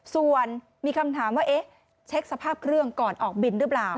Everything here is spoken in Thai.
ส่วนมีคำถามว่าเอ๊ะเช็คสภาพเครื่องก่อนออกบินหรือเปล่า